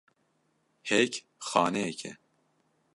Hêk xaneyek e.